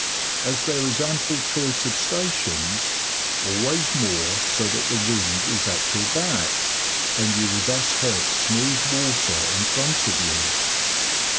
As there is ample choice of stations, always moor so that the wind is at your back, and you will thus have smooth water in front of you.